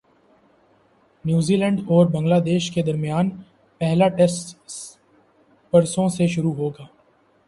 نیوزی Zealand اور Bangladesh کے درمیان پہلا ٹیسٹ پرسوں سے شروع ہوگا